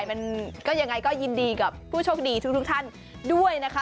มันก็ยังไงก็ยินดีกับผู้โชคดีทุกท่านด้วยนะคะ